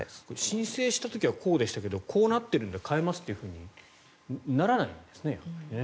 申請した時はこうでしたけどこうなっているんで変えますってならないんですね。